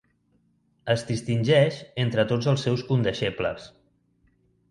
Es distingeix entre tots els seus condeixebles.